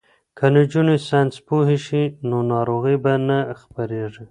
که نجونې ساینس پوهې شي نو ناروغۍ به نه خپریږي.